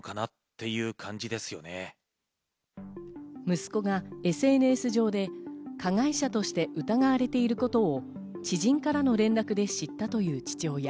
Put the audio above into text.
息子がＳＮＳ上で加害者として疑われていることを知人からの連絡でしたという父親。